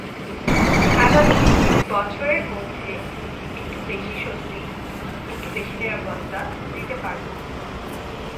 আগামী দুই বছরের মধ্যে একটু বেশি স্বস্তি, একটু বেশি নিরাপত্তা দিতে পারব।